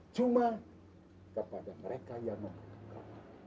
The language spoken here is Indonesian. cuma kepada mereka yang membutuhkan